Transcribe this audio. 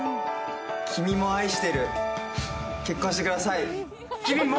君も愛してる、結婚してください。